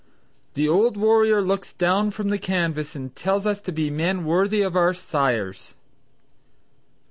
"The old warrior looks down from the canvas and tells us to be men worthy of our sires."